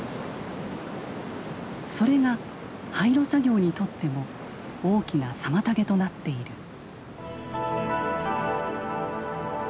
それが廃炉作業にとっても大きな妨げとなっている。